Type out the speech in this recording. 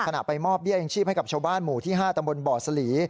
ไปมอบเบี้ยยังชีพให้กับชาวบ้านหมู่ที่๕ตำบลบ่อสลี